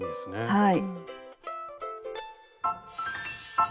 はい。